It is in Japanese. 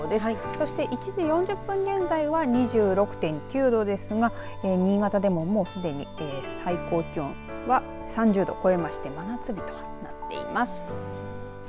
そして１時４０分現在は２６．９度ですが新潟でも、もうすでに最高気温は３０度を超えまして真夏日となっています。